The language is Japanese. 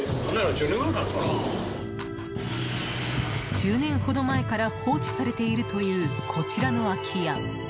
１０年ほど前から放置されているというこちらの空き家。